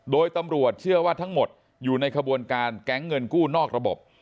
โดยตำรวจเชื่อว่าทั้งหมดอยู่ในขบวนการแก๊งเงินกู้นอกระบบ